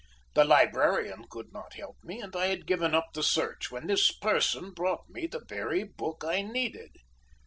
The librarian could not help me, and I had given up the search, when this person brought me the very book I needed.